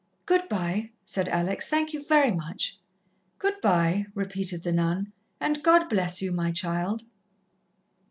"Good bye," said Alex; "thank you very much." "Good bye," repeated the Nun. "And God bless you, my child."